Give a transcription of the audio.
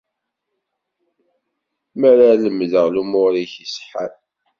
Mi ara lemdeɣ lumuṛ-ik iṣeḥḥan.